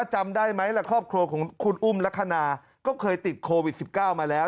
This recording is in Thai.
จำได้ไหมล่ะครอบครัวของคุณอุ้มลักษณะก็เคยติดโควิด๑๙มาแล้ว